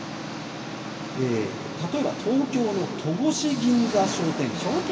例えば東京の「戸越銀座商店街」